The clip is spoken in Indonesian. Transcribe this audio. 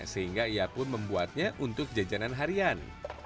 sehingga ia pun membuatnya untuk jajanan harian